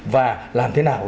và làm thế nào